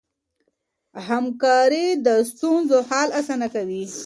همکاري د ستونزو حل اسانه کوي.